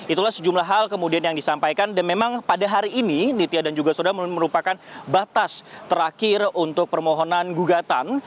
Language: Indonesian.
itulah sejumlah hal kemudian yang disampaikan dan memang pada hari ini nitya dan juga sudah merupakan batas terakhir untuk permohonan gugatan